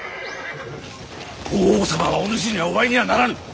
法皇様はおぬしにはお会いにはならぬ！